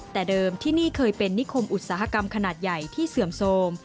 แต่เดิมที่นี่เคยเป็นนิคมอุตสาหกรรมขนาดใหญ่ที่เสื่อมโทรม